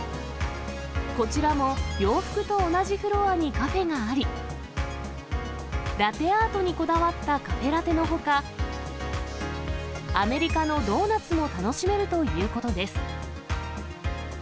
こちらも洋服と同じフロアにカフェがあり、ラテアートにこだわったカフェラテのほか、アメリカのドーナツも楽しめるということです。